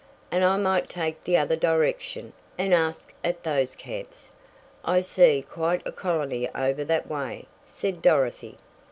"And I might take the other direction, and ask at those camps. I see quite a colony over that way," said Dorothy.